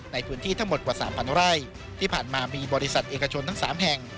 ในพื้นที่ทั้งหมดกว่า๓๐๐ไร่ที่ผ่านมามีบริษัทเอกชนทั้ง๓แห่ง